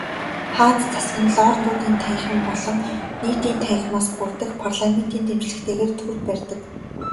Хаант засаг нь Лордуудын танхим болон Нийтийн танхимаас бүрдэх парламентын дэмжлэгтэйгээр төр барьдаг.